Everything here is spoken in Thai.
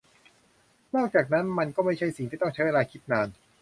นอกจากนั้น มันก็ไม่ใช่สิ่งที่ต้องใช้เวลาคิดนาน